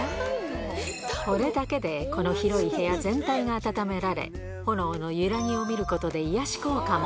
これだけでこの広い部屋全体が温められ、炎の揺らぎを見ることで癒やし効果も。